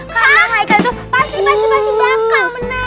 karena haikal itu pasti pasti bakal menang